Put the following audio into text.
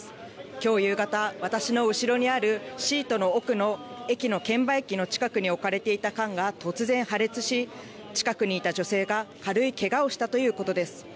きょう夕方、私の後ろにあるシートの奥の駅の券売機の近くに置かれていた缶が突然、破裂し近くにいた女性が軽いけがをしたということです。